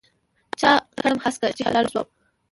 چا کړم هسکه چې هلال شوم